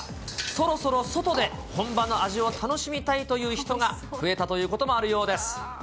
そろそろ外で、本場の味を楽しみたいという人が増えたということもあるようです。